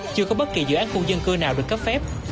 chưa có bất kỳ dự án khu dân cư nào được cấp phép